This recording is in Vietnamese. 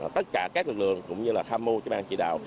tất cả các lực lượng cũng như là tham mô cho bang chỉ đạo